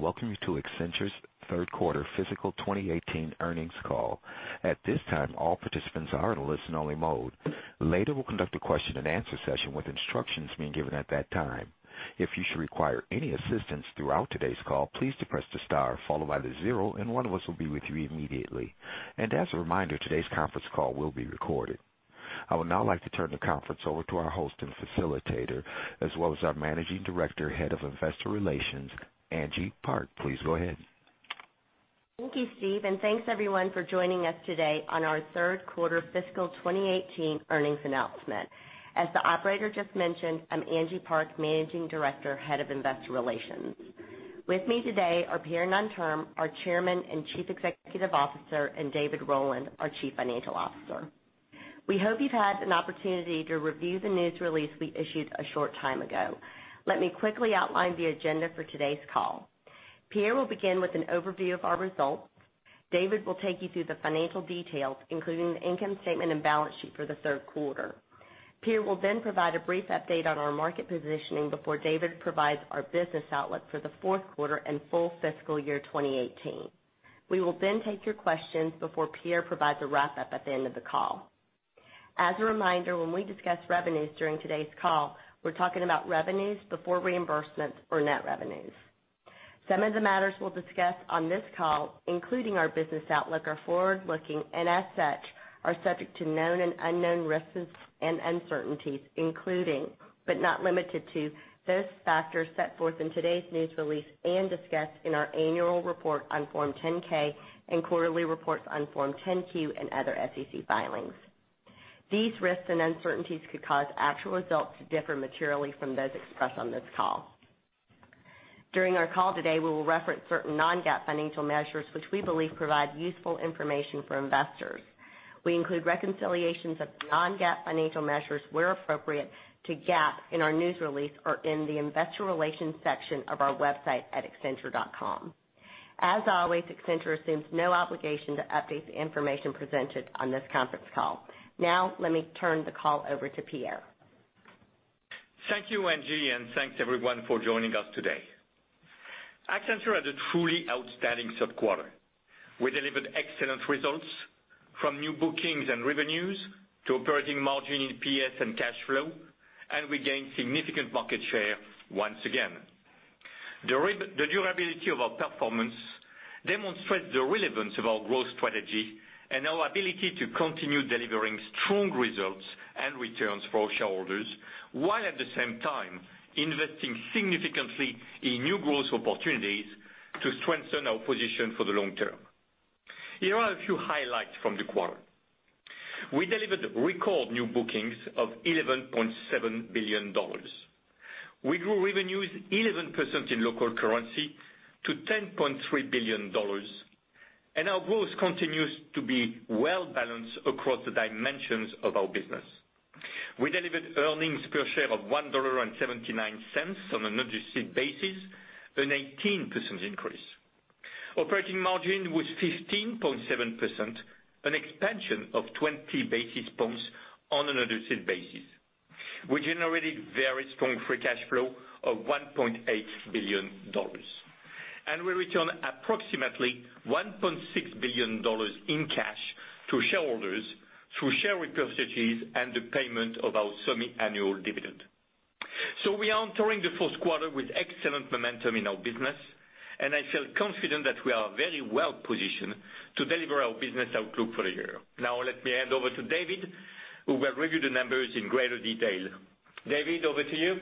Welcome to Accenture's third quarter fiscal 2018 earnings call. At this time, all participants are in a listen only mode. Later, we'll conduct a question and answer session with instructions being given at that time. If you should require any assistance throughout today's call, please do press the star followed by the zero and one of us will be with you immediately. As a reminder, today's conference call will be recorded. I would now like to turn the conference over to our host and facilitator, as well as our Managing Director, Head of Investor Relations, Angie Park. Please go ahead. Thank you, Steve. Thanks everyone for joining us today on our third quarter fiscal 2018 earnings announcement. As the operator just mentioned, I'm Angie Park, Managing Director, Head of Investor Relations. With me today are Pierre Nanterme, our Chairman and Chief Executive Officer, and David Rowland, our Chief Financial Officer. We hope you've had an opportunity to review the news release we issued a short time ago. Let me quickly outline the agenda for today's call. Pierre will begin with an overview of our results. David will take you through the financial details, including the income statement and balance sheet for the third quarter. Pierre will provide a brief update on our market positioning before David provides our business outlook for the fourth quarter and full fiscal year 2018. We will take your questions before Pierre provides a wrap-up at the end of the call. As a reminder, when we discuss revenues during today's call, we're talking about revenues before reimbursements or net revenues. Some of the matters we'll discuss on this call, including our business outlook, are forward-looking and as such, are subject to known and unknown risks and uncertainties, including but not limited to, those factors set forth in today's news release and discussed in our annual report on Form 10-K and quarterly reports on Form 10-Q and other SEC filings. These risks and uncertainties could cause actual results to differ materially from those expressed on this call. During our call today, we will reference certain non-GAAP financial measures, which we believe provide useful information for investors. We include reconciliations of non-GAAP financial measures where appropriate to GAAP in our news release or in the investor relations section of our website at accenture.com. As always, Accenture assumes no obligation to update the information presented on this conference call. Now, let me turn the call over to Pierre. Thank you, Angie, and thanks everyone for joining us today. Accenture had a truly outstanding sub-quarter. We delivered excellent results from new bookings and revenues to operating margin, EPS and, cash flow, and we gained significant market share once again. The durability of our performance demonstrates the relevance of our growth strategy and our ability to continue delivering strong results and returns for our shareholders, while at the same time investing significantly in new growth opportunities to strengthen our position for the long term. Here are a few highlights from the quarter. We delivered record new bookings of $11.7 billion. We grew revenues 11% in local currency to $10.3 billion, and our growth continues to be well-balanced across the dimensions of our business. We delivered earnings per share of $1.79 on an adjusted basis, an 18% increase. Operating margin was 15.7%, an expansion of 20 basis points on an adjusted basis. We generated very strong free cash flow of $1.8 billion. We return approximately $1.6 billion in cash to shareholders through share repurchases and the payment of our semi-annual dividend. We are entering the fourth quarter with excellent momentum in our business, and I feel confident that we are very well positioned to deliver our business outlook for the year. Now let me hand over to David, who will review the numbers in greater detail. David, over to you.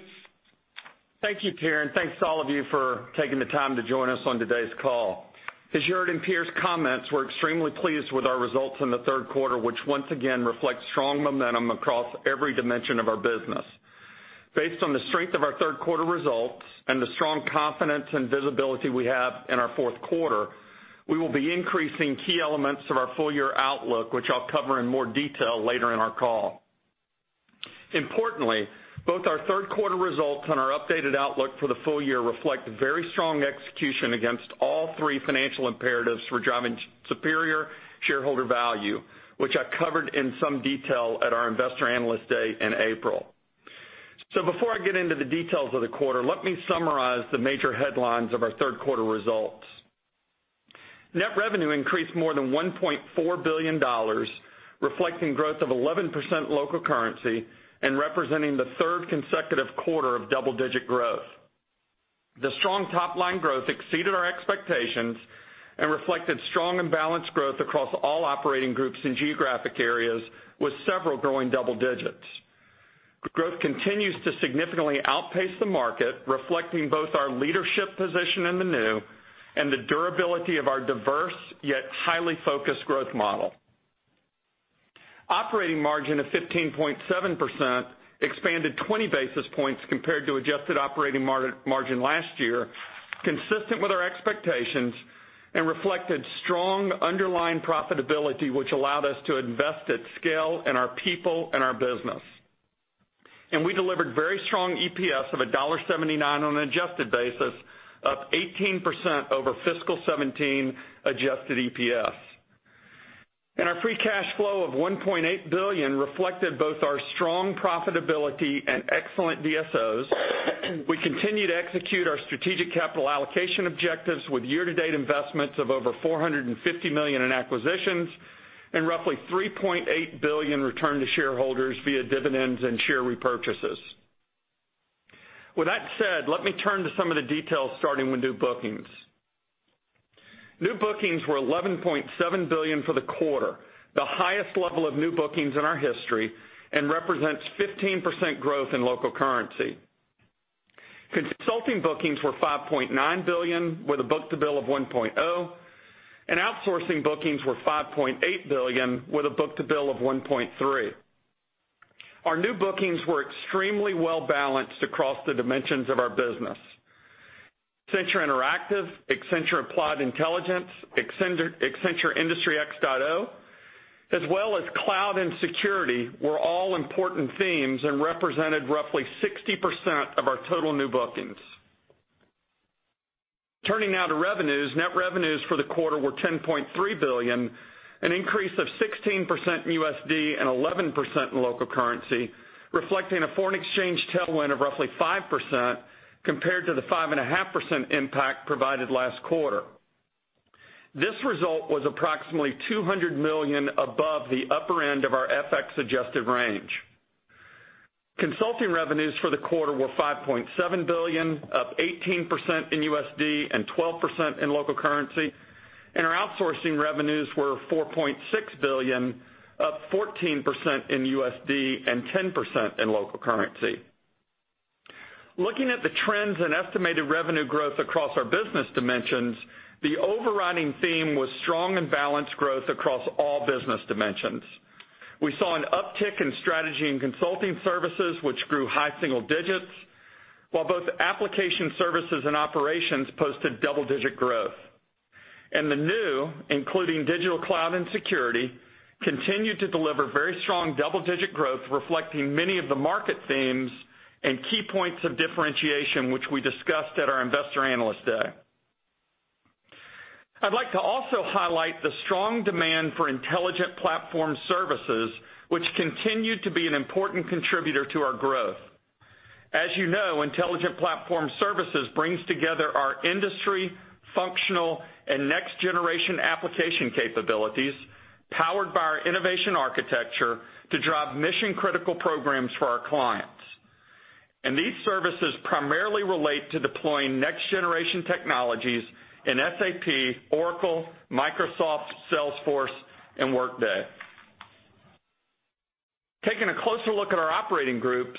Thank you, Pierre, and thanks to all of you for taking the time to join us on today's call. As you heard in Pierre's comments, we're extremely pleased with our results in the third quarter, which once again reflects strong momentum across every dimension of our business. Based on the strength of our third quarter results and the strong confidence and visibility we have in our fourth quarter, we will be increasing key elements of our full year outlook, which I'll cover in more detail later in our call. Importantly, both our third quarter results and our updated outlook for the full year reflect very strong execution against all three financial imperatives for driving superior shareholder value, which I covered in some detail at our Investor Day in April. Before I get into the details of the quarter, let me summarize the major headlines of our third quarter results. Net revenue increased more than $1.4 billion, reflecting growth of 11% local currency and representing the third consecutive quarter of double-digit growth. The strong top-line growth exceeded our expectations and reflected strong and balanced growth across all operating groups and geographic areas, with several growing double digits. Growth continues to significantly outpace the market, reflecting both our leadership position in the new and the durability of our diverse, yet highly focused growth model. Operating margin of 15.7% expanded 20 basis points compared to adjusted operating margin last year, consistent with our expectations and reflected strong underlying profitability, which allowed us to invest at scale in our people and our business. We delivered very strong EPS of $1.79 on an adjusted basis, up 18% over fiscal 2017 adjusted EPS. Our free cash flow of $1.8 billion reflected both our strong profitability and excellent DSOs. We continue to execute our strategic capital allocation objectives with year-to-date investments of over $450 million in acquisitions and roughly $3.8 billion returned to shareholders via dividends and share repurchases. With that said, let me turn to some of the details, starting with new bookings. New bookings were $11.7 billion for the quarter, the highest level of new bookings in our history, and represents 15% growth in local currency. Consulting bookings were $5.9 billion, with a book-to-bill of 1.0, and outsourcing bookings were $5.8 billion with a book-to-bill of 1.3. Our new bookings were extremely well-balanced across the dimensions of our business. Accenture Interactive, Accenture Applied Intelligence, Accenture Industry X.0, as well as Cloud and Security, were all important themes and represented roughly 60% of our total new bookings. Turning now to revenues. Net revenues for the quarter were $10.3 billion, an increase of 16% in USD and 11% in local currency, reflecting a foreign exchange tailwind of roughly 5% compared to the 5.5% impact provided last quarter. This result was approximately $200 million above the upper end of our FX-adjusted range. Consulting revenues for the quarter were $5.7 billion, up 18% in USD and 12% in local currency. Our outsourcing revenues were $4.6 billion, up 14% in USD and 10% in local currency. Looking at the trends in estimated revenue growth across our business dimensions, the overriding theme was strong and balanced growth across all business dimensions. We saw an uptick in strategy and consulting services, which grew high single digits, while both application services and operations posted double-digit growth. The new, including digital cloud and security, continued to deliver very strong double-digit growth, reflecting many of the market themes and key points of differentiation, which we discussed at our Investor Day. I'd like to also highlight the strong demand for Intelligent Platform Services, which continued to be an important contributor to our growth. As you know, Intelligent Platform Services brings together our industry, functional, and next-generation application capabilities, powered by our innovation architecture to drive mission-critical programs for our clients. These services primarily relate to deploying next-generation technologies in SAP, Oracle, Microsoft, Salesforce, and Workday. Taking a closer look at our operating groups,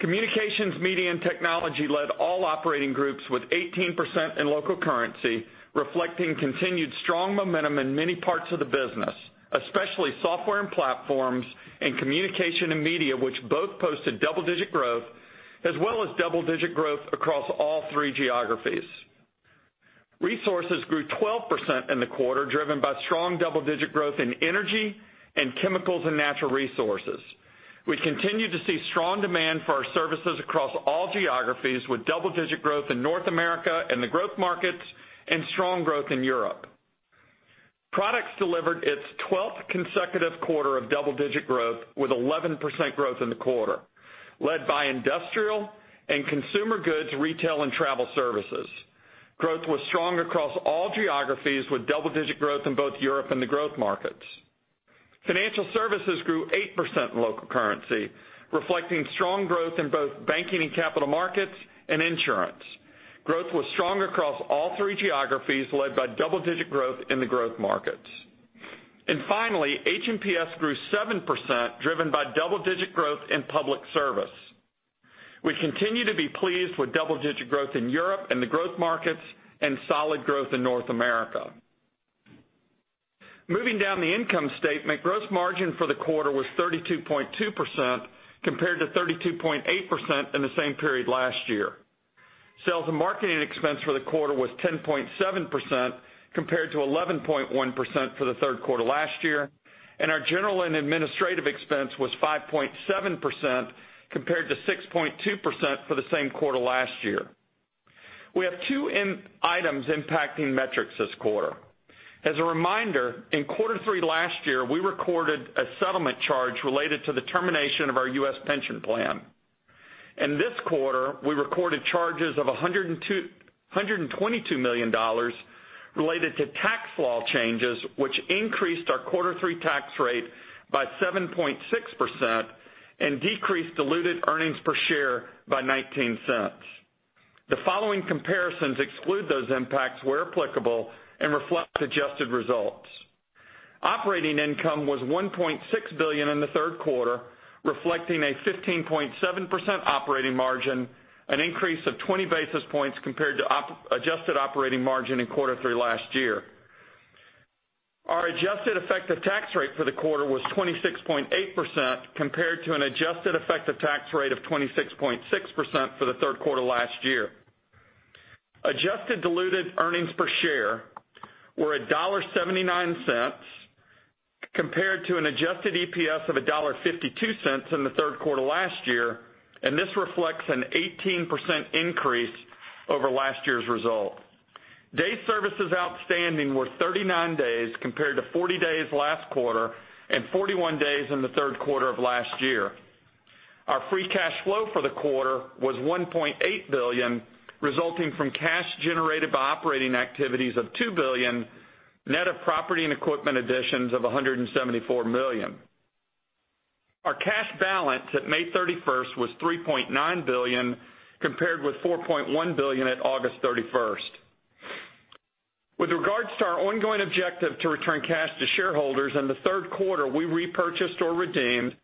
Communications, Media, and Technology led all operating groups with 18% in local currency, reflecting continued strong momentum in many parts of the business, especially software and platforms and communication and media, which both posted double-digit growth, as well as double-digit growth across all three geographies. Resources grew 12% in the quarter, driven by strong double-digit growth in energy and chemicals and natural resources. We continue to see strong demand for our services across all geographies, with double-digit growth in North America and the growth markets, and strong growth in Europe. Products delivered its 12th consecutive quarter of double-digit growth with 11% growth in the quarter, led by industrial and consumer goods, retail, and travel services. Growth was strong across all geographies, with double-digit growth in both Europe and the growth markets. Financial services grew 8% in local currency, reflecting strong growth in both banking and capital markets and insurance. Growth was strong across all three geographies, led by double-digit growth in the growth markets. H&PS grew 7%, driven by double-digit growth in public service. We continue to be pleased with double-digit growth in Europe and the growth markets, and solid growth in North America. Moving down the income statement, gross margin for the quarter was 32.2% compared to 32.8% in the same period last year. Sales and marketing expense for the quarter was 10.7% compared to 11.1% for the third quarter last year. Our general and administrative expense was 5.7% compared to 6.2% for the same quarter last year. We have two items impacting metrics this quarter. As a reminder, in quarter three last year, we recorded a settlement charge related to the termination of our U.S. pension plan. We recorded charges of $122 million related to tax law changes, which increased our quarter three tax rate by 7.6% and decreased diluted earnings per share by $0.19. The following comparisons exclude those impacts where applicable and reflect adjusted results. Operating income was $1.6 billion in the third quarter, reflecting a 15.7% operating margin, an increase of 20 basis points compared to adjusted operating margin in quarter three last year. Our adjusted effective tax rate for the quarter was 26.8% compared to an adjusted effective tax rate of 26.6% for the third quarter last year. Adjusted diluted earnings per share were $1.79 compared to an adjusted EPS of $1.52 in the third quarter last year, reflecting an 18% increase over last year's result. Days Sales Outstanding were 39 days compared to 40 days last quarter and 41 days in the third quarter of last year. Our free cash flow for the quarter was $1.8 billion, resulting from cash generated by operating activities of $2 billion, net of property and equipment additions of $174 million. Our cash balance at May 31st was $3.9 billion, compared with $4.1 billion at August 31st. With regards to our ongoing objective to return cash to shareholders, in the third quarter, we repurchased or redeemed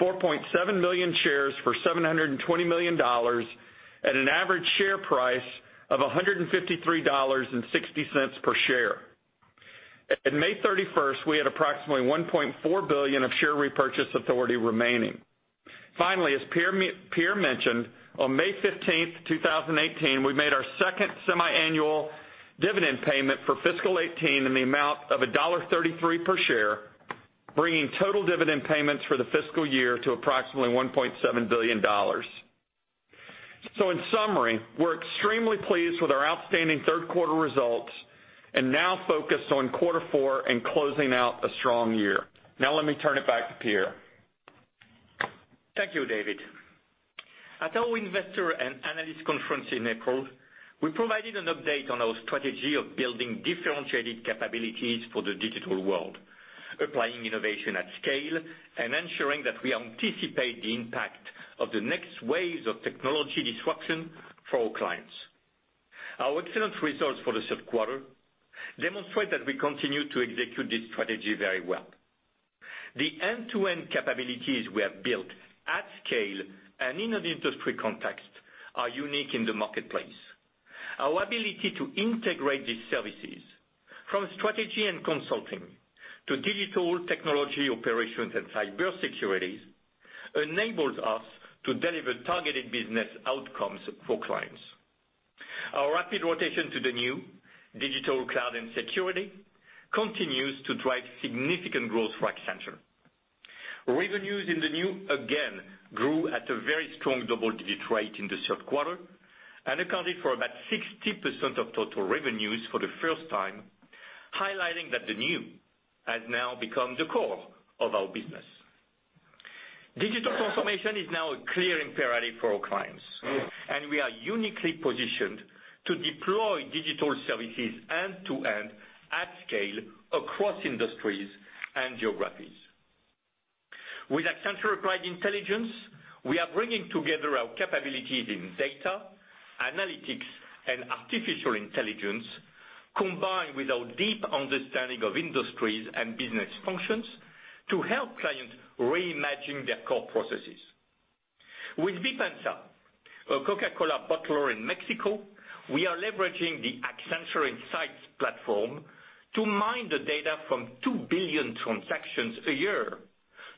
4.7 million shares for $720 million at an average share price of $153.60 per share. At May 31st, we had approximately $1.4 billion of share repurchase authority remaining. As Pierre mentioned, on May 15th, 2018, we made our second semiannual dividend payment for fiscal 2018 in the amount of $1.33 per share, bringing total dividend payments for the fiscal year to approximately $1.7 billion. In summary, we're extremely pleased with our outstanding third quarter results and now focused on quarter four and closing out a strong year. Let me turn it back to Pierre. Thank you, David. At our investor and analyst conference in April, we provided an update on our strategy of building differentiated capabilities for the digital world, applying innovation at scale, and ensuring that we anticipate the impact of the next waves of technology disruption for our clients. Our excellent results for the third quarter demonstrate that we continue to execute this strategy very well. The end-to-end capabilities we have built at scale and in an industry context are unique in the marketplace. Our ability to integrate these services, from strategy and consulting to digital technology operations and cybersecurity, enables us to deliver targeted business outcomes for clients. Our rapid rotation to the new digital cloud and security continues to drive significant growth for Accenture. Revenues in the new again grew at a very strong double-digit rate in the third quarter and accounted for about 60% of total revenues for the first time, highlighting that the new has now become the core of our business. Digital transformation is now a clear imperative for our clients, and we are uniquely positioned to deploy digital services end-to-end at scale across industries and geographies. With Accenture Applied Intelligence, we are bringing together our capabilities in data, analytics, and artificial intelligence, combined with our deep understanding of industries and business functions, to help clients reimagine their core processes. With Arca Continental, a Coca-Cola bottler in Mexico, we are leveraging the Accenture Insights Platform to mine the data from 2 billion transactions a year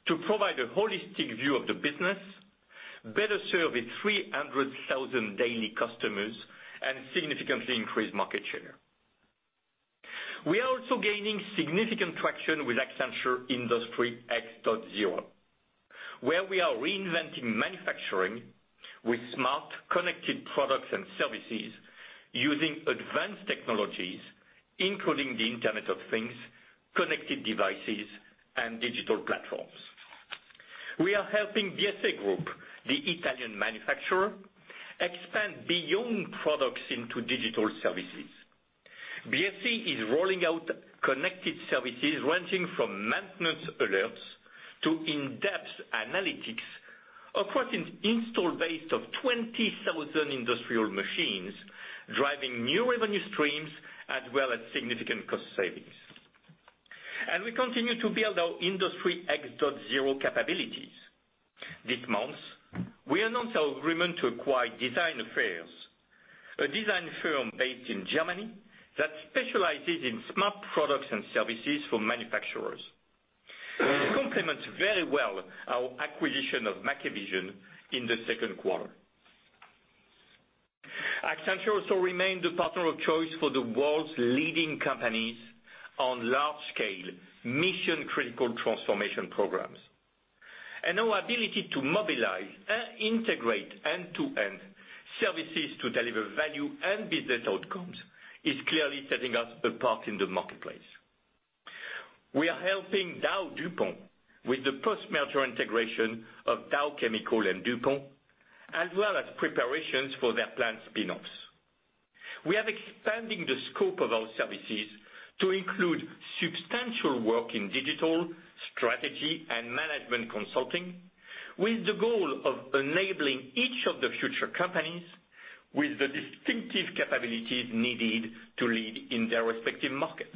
to provide a holistic view of the business, better serve its 300,000 daily customers, and significantly increase market share. We are also gaining significant traction with Accenture Industry X.0, where we are reinventing manufacturing with smart, connected products and services using advanced technologies, including the Internet of Things, connected devices, and digital platforms. We are helping Biesse Group, the Italian manufacturer, expand beyond products into digital services. Biesse is rolling out connected services ranging from maintenance alerts to in-depth analytics across an install base of 20,000 industrial machines, driving new revenue streams as well as significant cost savings. We continue to build our Industry X.0 capabilities. This month, we announced our agreement to acquire designaffairs, a design firm based in Germany that specializes in smart products and services for manufacturers. It complements very well our acquisition of Mackevision in the second quarter. Accenture also remained the partner of choice for the world's leading companies on large-scale mission-critical transformation programs. Our ability to mobilize and integrate end-to-end services to deliver value and business outcomes is clearly setting us apart in the marketplace. We are helping DowDuPont with the post-merger integration of The Dow Chemical Company and DuPont, as well as preparations for their planned spin-offs. We are expanding the scope of our services to include substantial work in digital, strategy, and management consulting, with the goal of enabling each of the future companies with the distinctive capabilities needed to lead in their respective markets.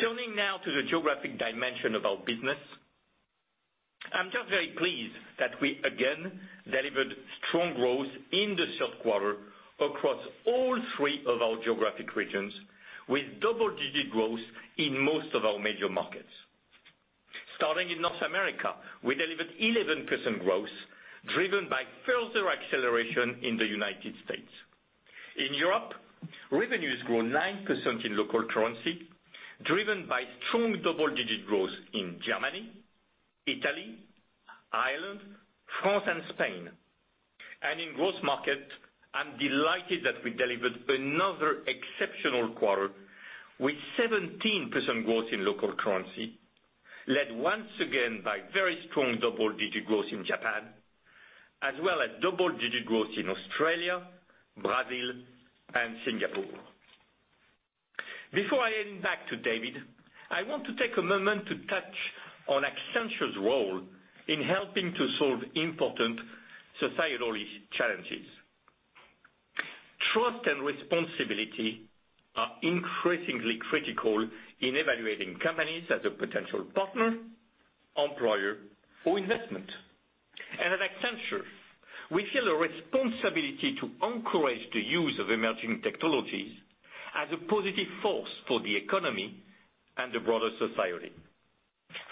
Turning now to the geographic dimension of our business. I'm just very pleased that we again delivered strong growth in the third quarter across all three of our geographic regions, with double-digit growth in most of our major markets. Starting in North America, we delivered 11% growth, driven by further acceleration in the U.S. In Europe, revenues grew 9% in local currency, driven by strong double-digit growth in Germany, Italy, Ireland, France, and Spain. In growth markets, I'm delighted that we delivered another exceptional quarter with 17% growth in local currency, led once again by very strong double-digit growth in Japan, as well as double-digit growth in Australia, Brazil, and Singapore. Before I hand back to David, I want to take a moment to touch on Accenture's role in helping to solve important societal challenges. Trust and responsibility are increasingly critical in evaluating companies as a potential partner, employer, or investment. At Accenture, we feel a responsibility to encourage the use of emerging technologies as a positive force for the economy and the broader society.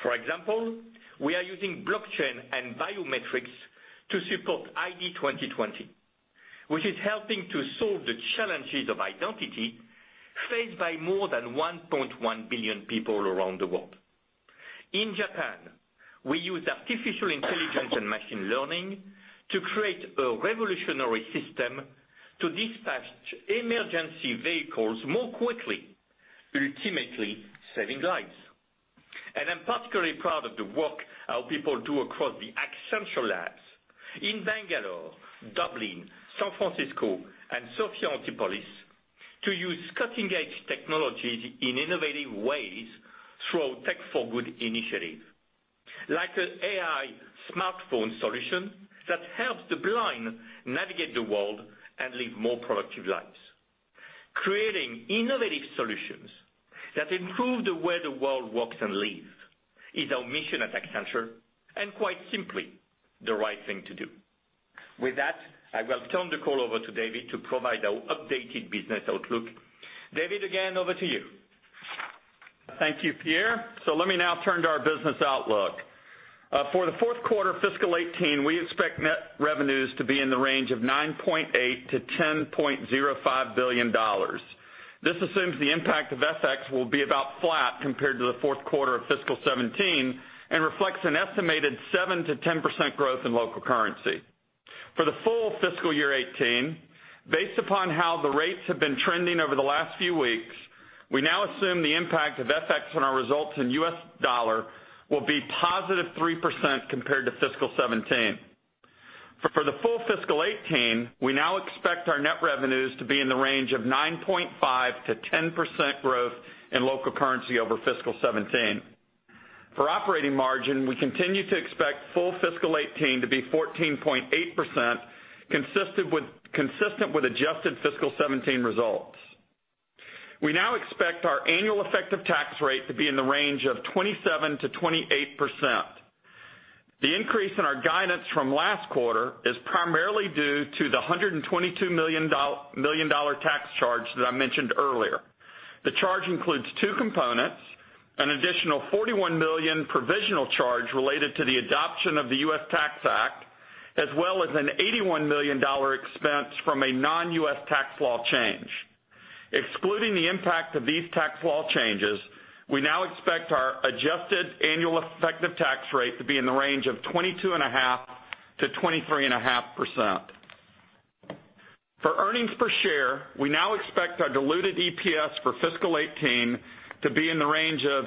For example, we are using blockchain and biometrics to support ID2020, which is helping to solve the challenges of identity faced by more than 1.1 billion people around the world. In Japan, we use artificial intelligence and machine learning to create a revolutionary system to dispatch emergency vehicles more quickly, ultimately saving lives. I'm particularly proud of the work our people do across the Accenture Labs in Bangalore, Dublin, San Francisco, and Sophia Antipolis to use cutting-edge technologies in innovative ways through our Tech for Good initiative. Like an AI smartphone solution that helps the blind navigate the world and live more productive lives. Creating innovative solutions that improve the way the world works and lives is our mission at Accenture, and quite simply, the right thing to do. With that, I will turn the call over to David to provide our updated business outlook. David, again, over to you. Thank you, Pierre. Let me now turn to our business outlook. For the fourth quarter fiscal 2018, we expect net revenues to be in the range of $9.8 billion-$10.05 billion. This assumes the impact of FX will be about flat compared to the fourth quarter of fiscal 2017 and reflects an estimated 7%-10% growth in local currency. For the full fiscal year 2018, based upon how the rates have been trending over the last few weeks, we now assume the impact of FX on our results in US dollar will be +3% compared to fiscal 2017. For the full fiscal 2018, we now expect our net revenues to be in the range of 9.5%-10% growth in local currency over fiscal 2017. For operating margin, we continue to expect full fiscal 2018 to be 14.8%, consistent with adjusted fiscal 2017 results. We now expect our annual effective tax rate to be in the range of 27%-28%. The increase in our guidance from last quarter is primarily due to the $122 million tax charge that I mentioned earlier. The charge includes two components, an additional $41 million provisional charge related to the adoption of the U.S. Tax Act, as well as an $81 million expense from a non-U.S. tax law change. Excluding the impact of these tax law changes, we now expect our adjusted annual effective tax rate to be in the range of 22.5%-23.5%. For earnings per share, we now expect our diluted EPS for fiscal 2018 to be in the range of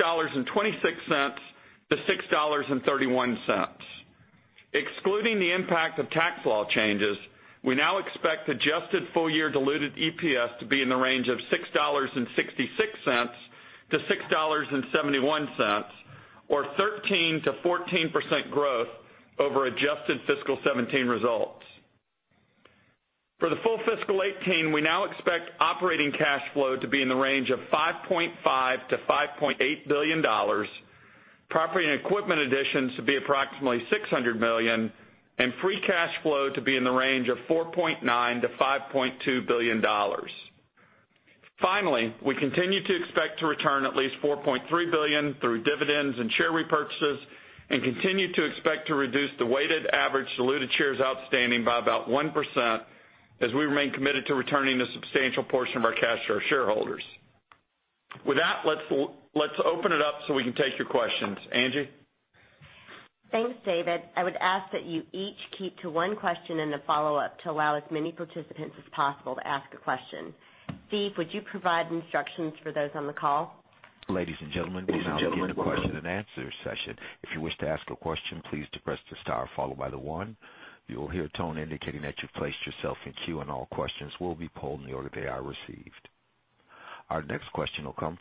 $6.26-$6.31. Excluding the impact of tax law changes, we now expect adjusted full-year diluted EPS to be in the range of $6.66-$6.71, or 13%-14% growth over adjusted fiscal 2017 results. For the full fiscal 2018, we now expect operating cash flow to be in the range of $5.5 billion-$5.8 billion, property and equipment additions to be approximately $600 million, and free cash flow to be in the range of $4.9 billion-$5.2 billion. Finally, we continue to expect to return at least $4.3 billion through dividends and share repurchases and continue to expect to reduce the weighted average diluted shares outstanding by about 1% as we remain committed to returning a substantial portion of our cash to our shareholders. With that, let's open it up so we can take your questions. Angie? Thanks, David. I would ask that you each keep to one question and a follow-up to allow as many participants as possible to ask a question. Steve, would you provide instructions for those on the call? Ladies and gentlemen, we will now begin the question and answer session. If you wish to ask a question, please press the star followed by the one. You will hear a tone indicating that you've placed yourself in queue, and all questions will be polled in the order they are received. Our first question will come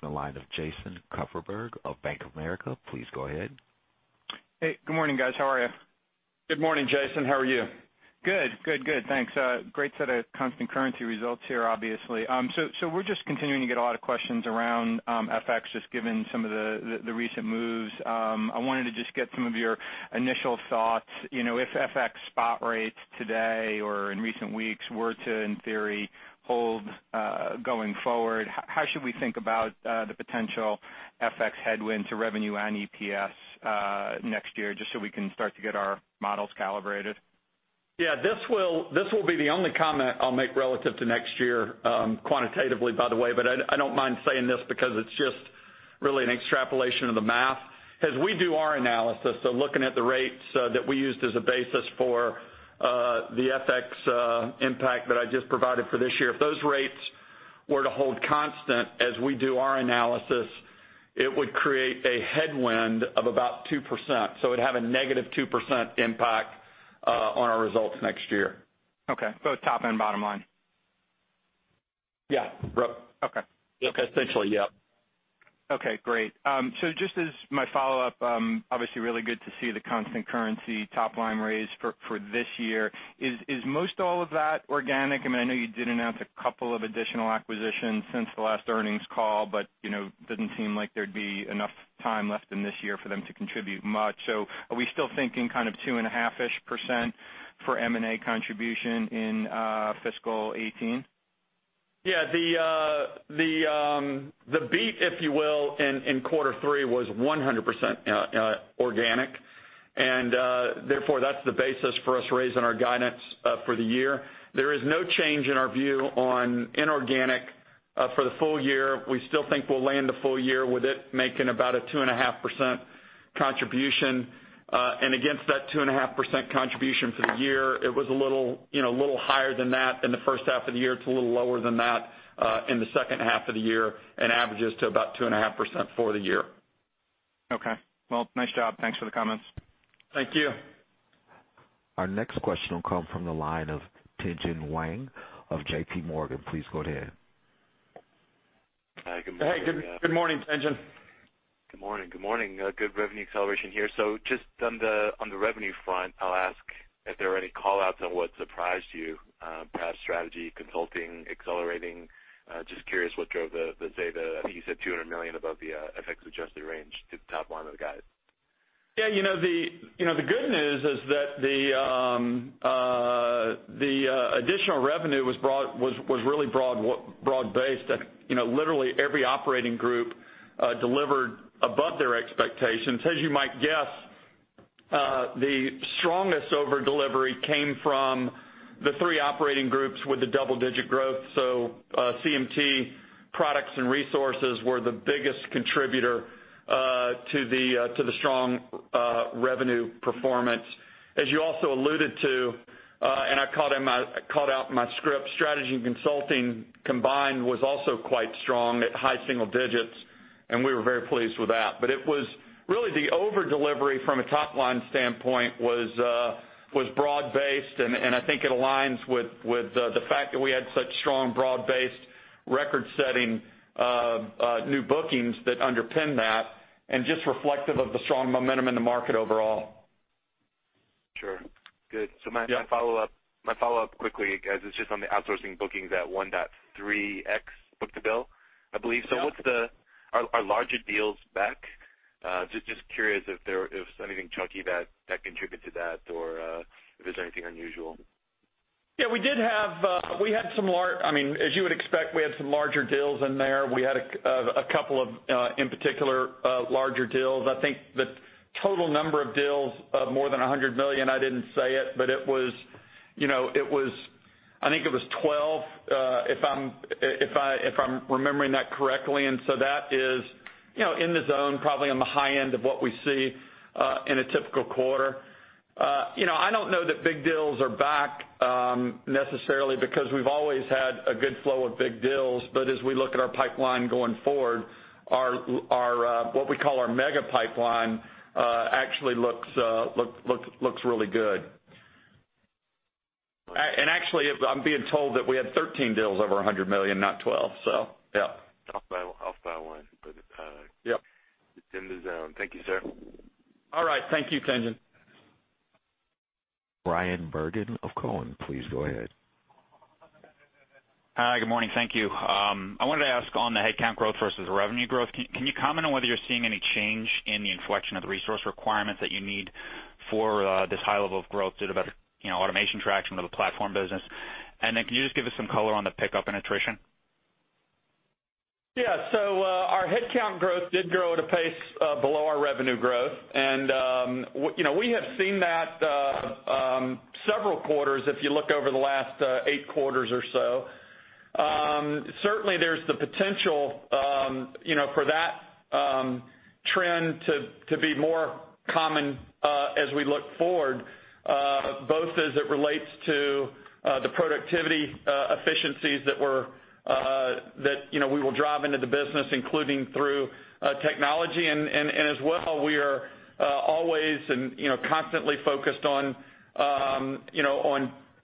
from the line of Jason Kupferberg of Bank of America. Please go ahead. Hey, good morning, guys. How are you? Good morning, Jason. How are you? Good. Thanks. Great set of constant currency results here, obviously. We're just continuing to get a lot of questions around FX, just given some of the recent moves. I wanted to just get some of your initial thoughts. If FX spot rates today or in recent weeks were to, in theory, hold going forward, how should we think about the potential FX headwind to revenue and EPS next year, just so we can start to get our models calibrated? Yeah, this will be the only comment I'll make relative to next year, quantitatively, by the way, but I don't mind saying this because it's just really an extrapolation of the math. As we do our analysis, looking at the rates that we used as a basis for the FX impact that I just provided for this year, if those rates were to hold constant as we do our analysis, it would create a headwind of about 2%. It'd have a negative 2% impact on our results next year. Okay. Both top and bottom line? Yeah. Okay. Essentially, yep. Okay, great. Just as my follow-up, obviously really good to see the constant currency top-line raise for this year. Is most all of that organic? I know you did announce a couple of additional acquisitions since the last earnings call, but it doesn't seem like there'd be enough time left in this year for them to contribute much. Are we still thinking kind of 2.5%-ish for M&A contribution in fiscal 2018? Yeah. The beat, if you will, in quarter three was 100% organic, and therefore, that's the basis for us raising our guidance for the year. There is no change in our view on inorganic for the full year. We still think we'll land the full year with it making about a 2.5% contribution. Against that 2.5% contribution for the year, it was a little higher than that in the first half of the year. It's a little lower than that in the second half of the year, and averages to about 2.5% for the year. Okay. Well, nice job. Thanks for the comments. Thank you. Our next question will come from the line of Tien-Tsin Huang of J.P. Morgan. Please go ahead. Hey, good morning, Tien-Tsin. Good morning. Good revenue acceleration here. Just on the revenue front, I'll ask if there are any call-outs on what surprised you, perhaps strategy, consulting, accelerating. Just curious what drove the data. I think you said $200 million above the FX-adjusted range to the top line of the guide. Yeah. The good news is that the additional revenue was really broad-based. Literally every operating group delivered above their expectations. As you might guess, the strongest over-delivery came from the three operating groups with the double-digit growth. CMT, Products, and Resources were the biggest contributor to the strong revenue performance. As you also alluded to, and I called out in my script, strategy and consulting combined was also quite strong at high single digits, and we were very pleased with that. It was really the over-delivery from a top-line standpoint was broad-based, and I think it aligns with the fact that we had such strong broad-based record-setting new bookings that underpin that, and just reflective of the strong momentum in the market overall. Sure. Good. Yeah. My follow-up quickly, as it's just on the outsourcing bookings at 1.3x book-to-bill, I believe. Yeah. Are larger deals back? Just curious if there was anything chunky that contributed to that or if there is anything unusual. Yeah. As you would expect, we had some larger deals in there. We had a couple of, in particular, larger deals. I think the total number of deals of more than $100 million, I didn't say it, but I think it was 12, if I'm remembering that correctly. That is in the zone, probably on the high end of what we see in a typical quarter. I don't know that big deals are back necessarily because we've always had a good flow of big deals. As we look at our pipeline going forward, what we call our mega pipeline actually looks really good. Actually, I'm being told that we had 13 deals over $100 million, not 12, so yeah. Off by one. Yep. It's in the zone. Thank you, sir. All right. Thank you, Tien-Tsin. Bryan Bergin of Cowen. Please go ahead. Hi. Good morning. Thank you. I wanted to ask on the headcount growth versus revenue growth, can you comment on whether you're seeing any change in the inflection of the resource requirements that you need for this high level of growth due to better automation traction of the platform business? Then can you just give us some color on the pickup in attrition? Yeah. Our headcount growth did grow at a pace below our revenue growth. We have seen that several quarters if you look over the last eight quarters or so. Certainly, there's the potential for that trend to be more common as we look forward, both as it relates to the productivity efficiencies that we will drive into the business, including through technology. As well, we are always and constantly focused on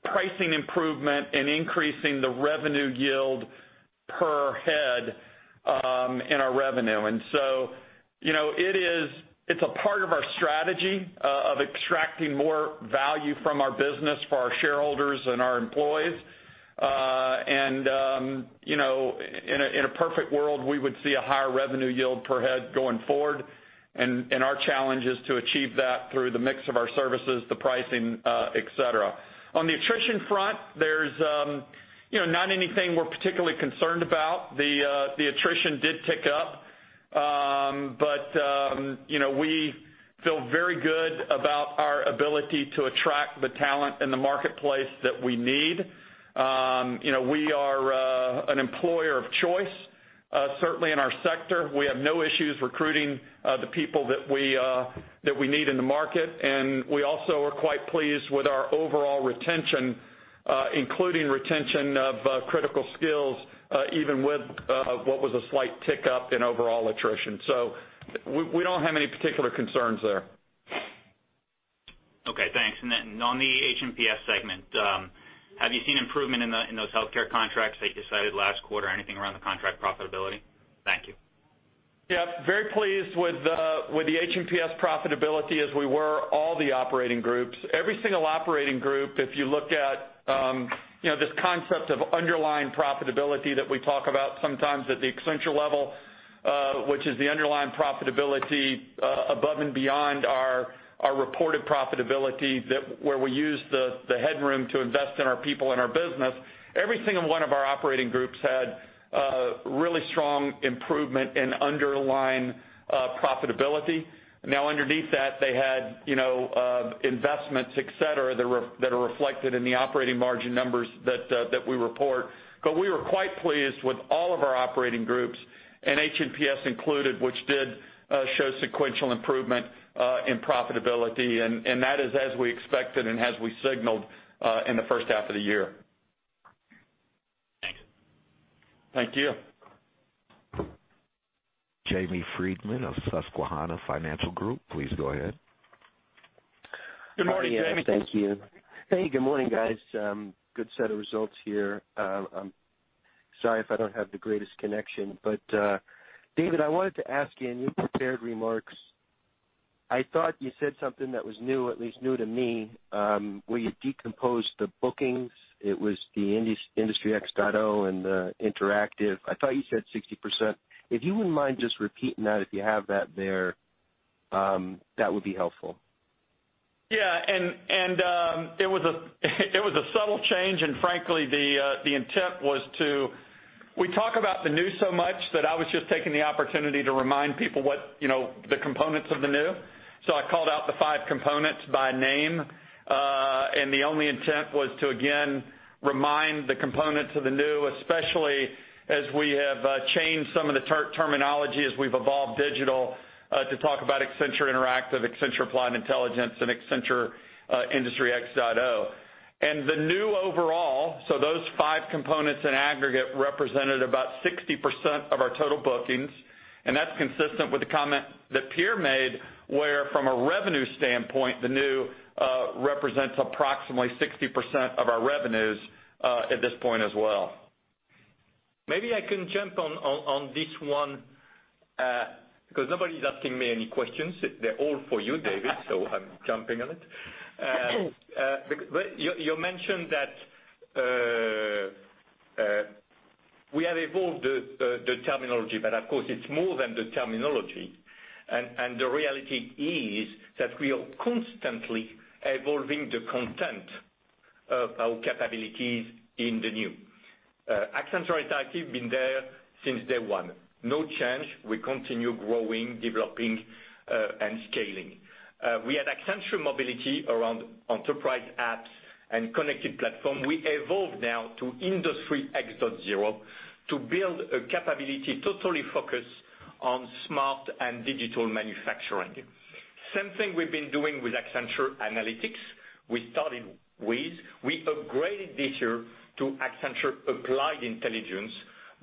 pricing improvement and increasing the revenue yield per head in our revenue. So it's a part of our strategy of extracting more value from our business for our shareholders and our employees. In a perfect world, we would see a higher revenue yield per head going forward, and our challenge is to achieve that through the mix of our services, the pricing, et cetera. On the attrition front, there's not anything we're particularly concerned about. The attrition did tick up. We feel very good about our ability to attract the talent in the marketplace that we need. We are an employer of choice, certainly in our sector. We have no issues recruiting the people that we need in the market. We also are quite pleased with our overall retention, including retention of critical skills, even with what was a slight tick up in overall attrition. We don't have any particular concerns there. Okay, thanks. On the H&PS segment, have you seen improvement in those healthcare contracts that you cited last quarter? Anything around the contract profitability? Thank you. Yeah. Very pleased with the H&PS profitability as we were all the operating groups. Every single operating group, if you look at this concept of underlying profitability that we talk about sometimes at the Accenture level, which is the underlying profitability above and beyond our reported profitability, where we use the headroom to invest in our people and our business. Every single one of our operating groups had really strong improvement in underlying profitability. Underneath that, they had investments, et cetera, that are reflected in the operating margin numbers that we report. We were quite pleased with all of our operating groups, and H&PS included, which did show sequential improvement in profitability. That is as we expected and as we signaled in the first half of the year. Thank you. Thank you. Jamie Friedman of Susquehanna Financial Group, please go ahead. Good morning, Jamie. Thank you. Hey, good morning, guys. Good set of results here. Sorry if I don't have the greatest connection. David, I wanted to ask you, in your prepared remarks, I thought you said something that was new, at least new to me. Where you decomposed the bookings, it was the Industry X.0 and the Interactive. I thought you said 60%. If you wouldn't mind just repeating that, if you have that there, that would be helpful. Yeah. It was a subtle change, frankly, we talk about the new so much that I was just taking the opportunity to remind people what the components of the new. I called out the five components by name. The only intent was to again remind the components of the new, especially as we have changed some of the terminology as we've evolved digital to talk about Accenture Interactive, Accenture Applied Intelligence and Accenture Industry X.0. The new overall, those five components in aggregate represented about 60% of our total bookings, that's consistent with the comment that Pierre made, where from a revenue standpoint, the new represents approximately 60% of our revenues at this point as well. Maybe I can jump on this one, because nobody's asking me any questions. They're all for you, David, so I'm jumping on it. You mentioned that we have evolved the terminology, but of course, it's more than the terminology. The reality is that we are constantly evolving the content of our capabilities in the new. Accenture Interactive been there since day one. No change. We continue growing, developing, and scaling. We had Accenture Mobility around enterprise apps and connected platform. We evolved now to Industry X.0 to build a capability totally focused on smart and digital manufacturing. Same thing we've been doing with Accenture Analytics, we started with. We upgraded this year to Accenture Applied Intelligence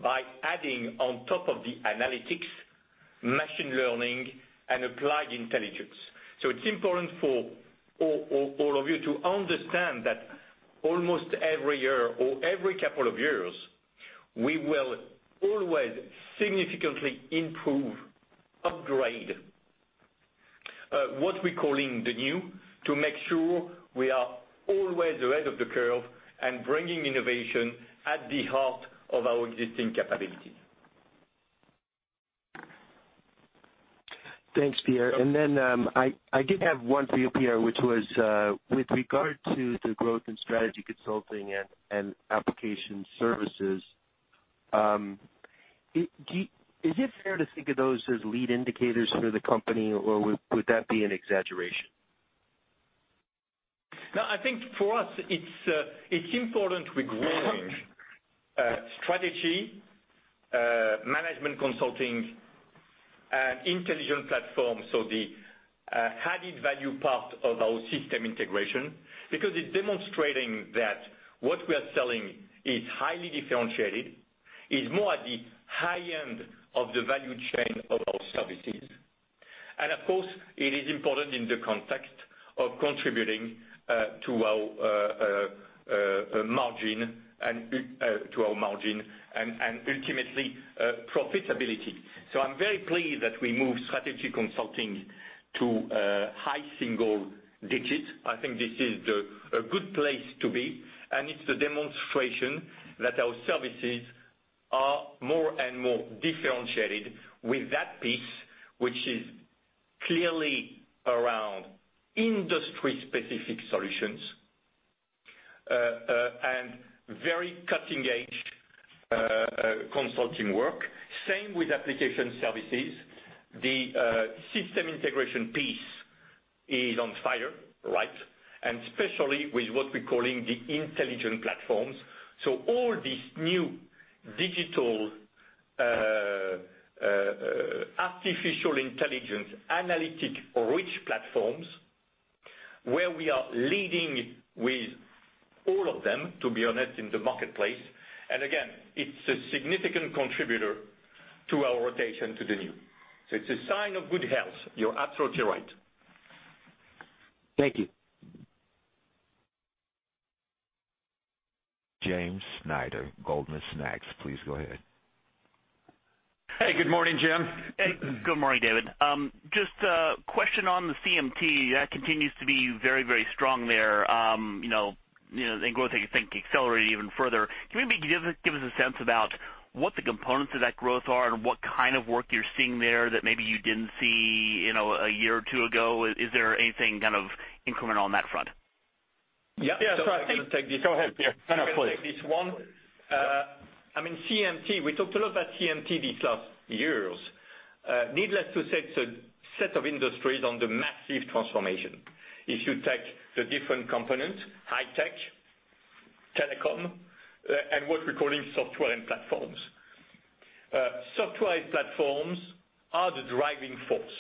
by adding on top of the analytics, machine learning and applied intelligence. It's important for all of you to understand that almost every year or every couple of years, we will always significantly improve, upgrade, what we're calling the new, to make sure we are always ahead of the curve and bringing innovation at the heart of our existing capabilities. Thanks, Pierre. I did have one for you, Pierre, which was, with regard to the growth in strategy consulting and application services, is it fair to think of those as lead indicators for the company, or would that be an exaggeration? I think for us, it's important we grow in strategy, management consulting, and intelligent platforms. The added value part of our system integration, because it's demonstrating that what we are selling is highly differentiated, is more at the high end of the value chain of our services. Of course, it is important in the context of contributing to our margin and ultimately profitability. I'm very pleased that we moved strategy consulting to high single digits. I think this is a good place to be, and it's a demonstration that our services are more and more differentiated with that piece, which is clearly Industry-specific solutions and very cutting edge consulting work. Same with application services. The system integration piece is on fire, and especially with what we're calling the intelligent platforms. All these new digital, artificial intelligence, analytic-rich platforms, where we are leading with all of them, to be honest, in the marketplace. Again, it's a significant contributor to our rotation to the new. It's a sign of good health. You're absolutely right. Thank you. Jim Schneider, Goldman Sachs. Please go ahead. Hey, good morning, Jim. Good morning, David. Just a question on the CMT, that continues to be very strong there. Growth, I think, accelerated even further. Can you maybe give us a sense about what the components of that growth are and what kind of work you're seeing there that maybe you didn't see a year or two ago? Is there anything incremental on that front? Yeah. Yeah. I can take this. Go ahead, Pierre. No, please. I can take this one. CMT, we talked a lot about CMT these last years. Needless to say, it's a set of industries on the massive transformation. If you take the different components, high tech, telecom, and what we're calling software and platforms. Software and platforms are the driving force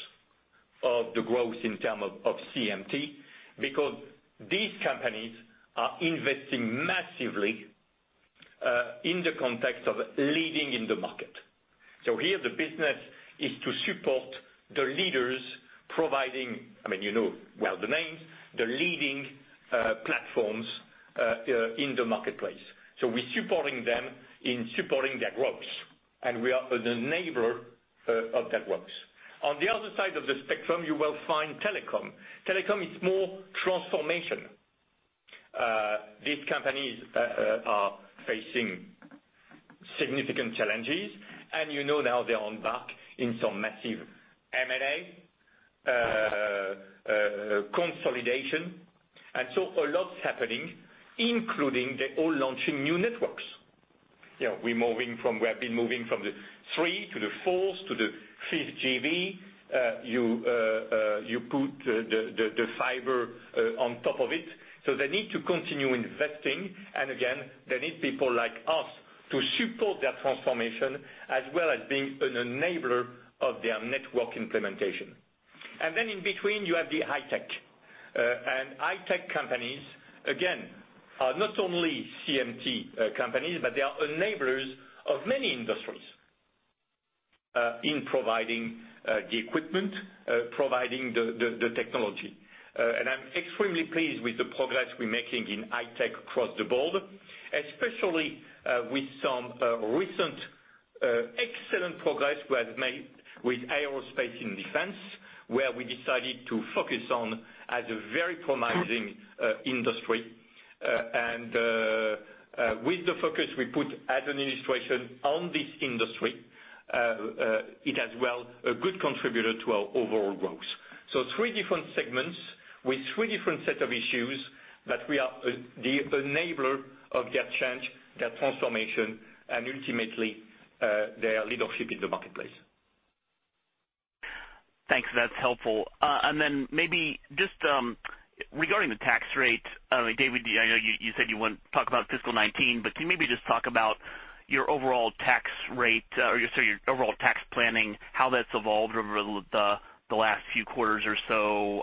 of the growth in terms of CMT, because these companies are investing massively in the context of leading in the market. Here, the business is to support the leaders providing, you know well the names, the leading platforms in the marketplace. We're supporting them in supporting their growth. We are the enabler of that growth. On the other side of the spectrum, you will find telecom. Telecom is more transformation. These companies are facing significant challenges, you know now they are embarked in some massive M&A consolidation. A lot's happening, including they're all launching new networks. We have been moving from the 3G to the 4G to the 5G. You put the fiber on top of it. They need to continue investing. Again, they need people like us to support that transformation, as well as being an enabler of their network implementation. Then in between, you have the high tech. High tech companies, again, are not only CMT companies, but they are enablers of many industries in providing the equipment, providing the technology. I'm extremely pleased with the progress we're making in high tech across the board, especially with some recent excellent progress we have made with aerospace and defense, where we decided to focus on as a very promising industry. With the focus we put as an administration on this industry, it is as well a good contributor to our overall growth. Three different segments with three different sets of issues that we are the enabler of their change, their transformation, and ultimately, their leadership in the marketplace. Thanks. That's helpful. Then maybe just regarding the tax rate, David, I know you said you wouldn't talk about fiscal 2019, but can you maybe just talk about your overall tax rate or your overall tax planning, how that's evolved over the last few quarters or so,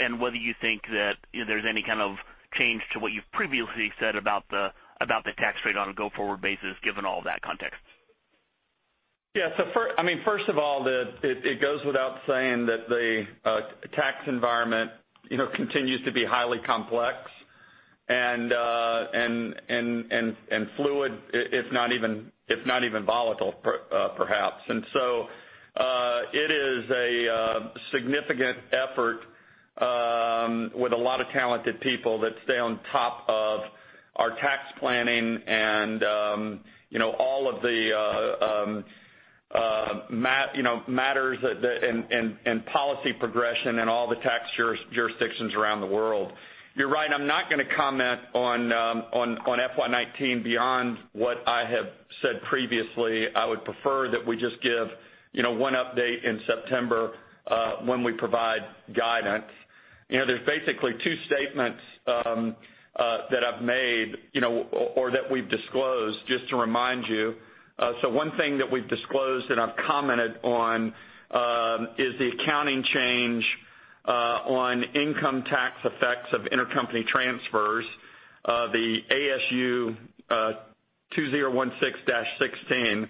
and whether you think that there's any kind of change to what you've previously said about the tax rate on a go-forward basis, given all that context? Yeah. First of all, it goes without saying that the tax environment continues to be highly complex and fluid, if not even volatile, perhaps. It is a significant effort with a lot of talented people that stay on top of our tax planning and all of the matters and policy progression and all the tax jurisdictions around the world. You're right, I'm not going to comment on FY 2019 beyond what I have said previously. I would prefer that we just give one update in September when we provide guidance. There's basically two statements that I've made or that we've disclosed, just to remind you. One thing that we've disclosed and I've commented on is the accounting change on income tax effects of intercompany transfers, the ASU 2016-16.